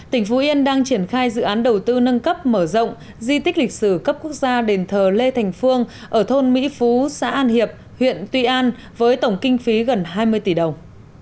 tỉnh phú yên đang triển khai dự án đầu tư nâng cấp mở rộng di tích lịch sử cấp quốc gia đền thờ lê thành phương ở thôn mỹ phú xã an hiệp huyện tuy an với tổng kinh phí gần hai mươi tỷ đồng